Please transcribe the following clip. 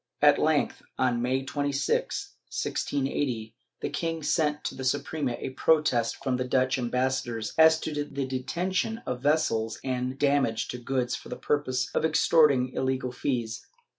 At length, on May 26, 1680, the king sent to the Suprema a protest from the Dutch ambassador as to the detention of vessels and damage to goods for the purpose of extorting illegal fees.